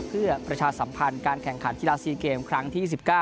เพื่อประชาสัมพันธ์การแข่งขันกีฬา๔เกมครั้งที่๒๙